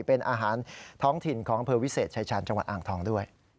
เป็นอาหารท้องถิ่นของอำเภอวิเศษชายชาญจังหวัดอ่างทองด้วย